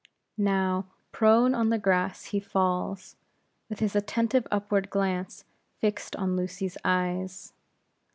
Now, prone on the grass he falls, with his attentive upward glance fixed on Lucy's eyes.